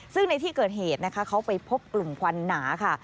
ซึ่งในที่เกิดเหตุนะคะเขาไปพบกลุ่มควันหนาค่ะ